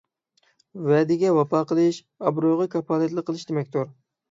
ۋەدىگە ۋاپا قىلىش — ئابرۇيغا كاپالەتلىك قىلىش دېمەكتۇر.